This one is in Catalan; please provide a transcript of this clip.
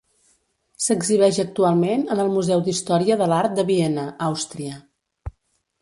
S'exhibeix actualment en el Museu d'Història de l'Art de Viena, Àustria.